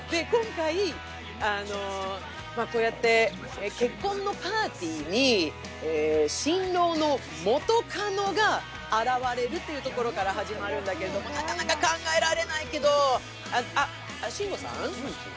今回、こうやって結婚のパーティーに新郎の元カノが現れるというところから始まるんだけど、なかなか考えられないけど、あ、慎吾さん？